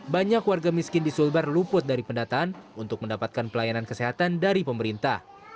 banyak warga miskin di sulbar luput dari pendataan untuk mendapatkan pelayanan kesehatan dari pemerintah